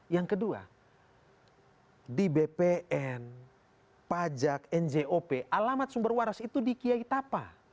yang kedua di bpn pajak njop alamat sumber waras itu di kiai tapa